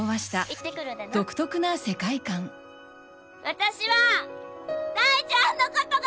私は大ちゃんのことが！